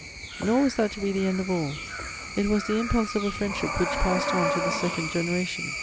Nor was that to be the end of all: it was the impulse of a friendship which passed on to the second generation.